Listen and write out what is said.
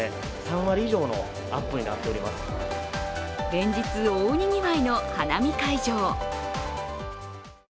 連日、大にぎわいの花見会場。